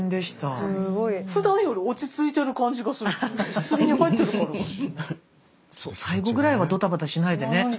棺に入ってるからかしら。